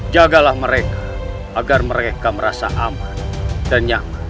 jagalah mereka agar mereka merasa aman dan nyaman